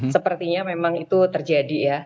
sepertinya memang itu terjadi ya